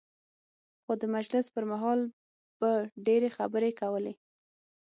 خو د مجلس پر مهال به ډېرې خبرې کولې.